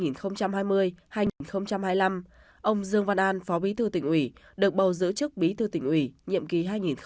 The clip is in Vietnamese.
năm hai nghìn hai mươi hai nghìn hai mươi năm ông dương văn an phó bí thư tỉnh ủy được bầu giữ chức bí thư tỉnh ủy nhiệm kỳ hai nghìn hai mươi hai nghìn hai mươi năm